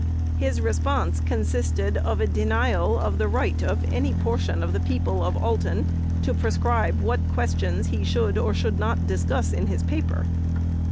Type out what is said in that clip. His response consisted of a denial of the right of any portion of the people of Acton to prescribe what questions he should or should not discuss in his paper.